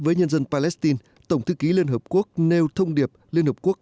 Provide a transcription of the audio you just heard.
với nhân dân palestine tổng thư ký liên hợp quốc nêu thông điệp liên hợp quốc